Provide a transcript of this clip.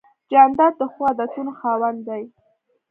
جانداد د ښو عادتونو خاوند دی.